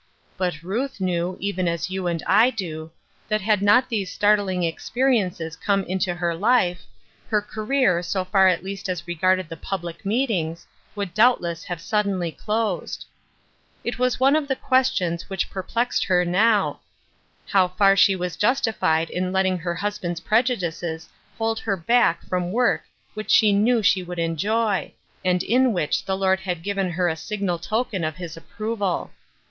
But Ruth knew, even as you and I do, that had not these startling experiences come into her life, her career, so far at least as regarded the public meetings, would doubtless have suddenly closed. It was one of the questions which perplexed her now, how far she was justified ia letting her 294 " NEXT MOST." husband's prejudices hold her back from work which she knew she would enjoy, and in which the Lord had once given her a signal token of his approval.